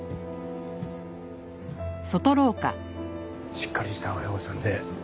しっかりした親御さんでよかったね。